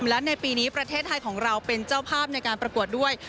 และในปีนี้ประเทศไทยของเราเป็นเจ้าภาพในการประกวดด้วย